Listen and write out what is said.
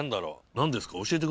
何ですか？